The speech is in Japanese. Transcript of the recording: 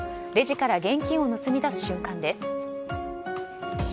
レジから現金を盗み出す瞬間です。